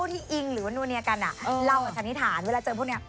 พวกที่อิงหรือว่านวรรณีกันเราก็ทานิษฐานเวลาเจอพวกนี้